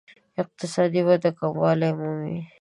اقتصادي وده کموالی مومي.